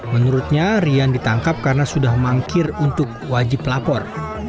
menurutnya rian ditangkap karena sudah mangkir untuk wajib lapor